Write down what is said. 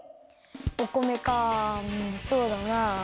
お米かんそうだなあ。